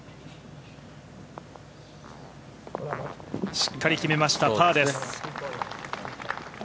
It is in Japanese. しっかり決めました、パーです。